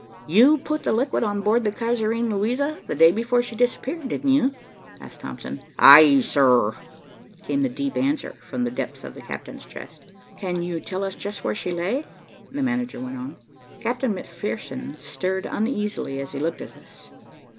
"You put the liquid on board the Kaiserin Luisa the day before she disappeared, didn't you?" asked Thompson. "Aye, sir," came the deep answer from the depths of the Captain's chest. "Can you tell us just where she lay?" the manager went on. Captain McPherson stirred uneasily as he looked at us.